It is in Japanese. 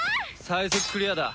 最速クリアだ。